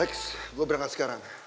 lex gue berangkat sekarang